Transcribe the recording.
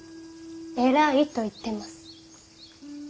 偉いと言ってます。